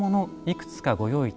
いくつかご用意